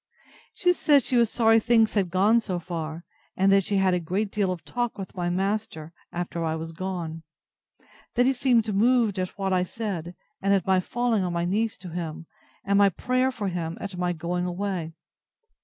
She said she was sorry things had gone so far; and that she had a great deal of talk with my master, after I was gone; that he seemed moved at what I said, and at my falling on my knees to him, and my prayer for him, at my going away.